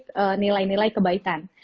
apa ya basic nilai nilai kebaikan